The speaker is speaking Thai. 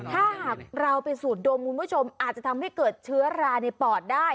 ถ้าหากเราไปสูดดมคุณผู้ชมอาจจะทำให้เกิดเชื้อราในปอดได้